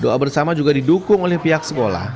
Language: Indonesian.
doa bersama juga didukung oleh pihak sekolah